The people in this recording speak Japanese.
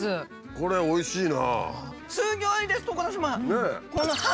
これおいしいな。